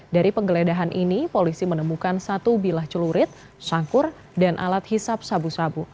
dari penggeledahan ini polisi menemukan satu bilah celurit sangkur dan alat hisap sabu sabu